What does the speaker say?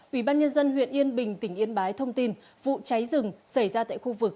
ủy ban nhân dân huyện yên bình tỉnh yên bái thông tin vụ cháy rừng xảy ra tại khu vực